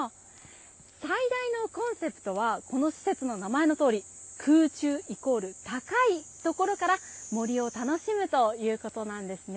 最大のコンセプトはこの施設の名前の通り空中＝高いところから森を楽しむということなんですね。